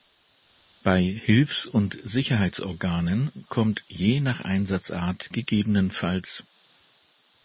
Bei Hilfs- und Sicherheitsorganen kommt je nach Einsatzart ggfs.